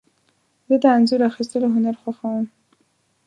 زه د انځور اخیستلو هنر خوښوم.